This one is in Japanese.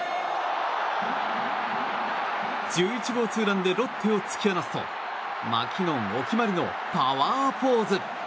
１１号ツーランでロッテを突き放すとマキノンお決まりのパワーポーズ！